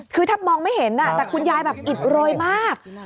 คือถ้ามองไม่เห็นแต่คุณยายแบบอิดโรยมาก